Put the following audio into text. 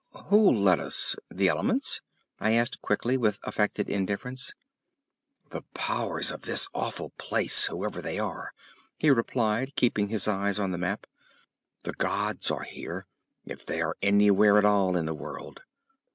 "Who'll let us? The elements?" I asked quickly, with affected indifference. "The powers of this awful place, whoever they are," he replied, keeping his eyes on the map. "The gods are here, if they are anywhere at all in the world."